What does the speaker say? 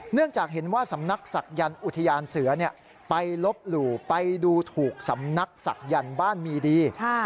เนื่องจากเห็นว่าสำนักศักยันต์อุทยานเสือไปลบหลู่ไปดูถูกสำนักศักยันต์บ้านมีดี